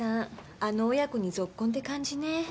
あの親子にぞっこんって感じね。